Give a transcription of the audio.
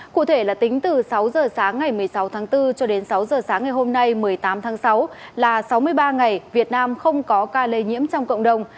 cụ thể là tính từ sáu giờ sáng ngày một mươi sáu tháng bốn cho đến sáu giờ sáng ngày hôm nay một mươi tám tháng sáu là sáu mươi ba ngày việt nam không có ca lây nhiễm trong cộng đồng